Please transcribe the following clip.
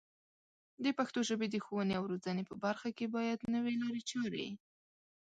د پښتو ژبې د ښوونې او روزنې په برخه کې باید نوې لارې چارې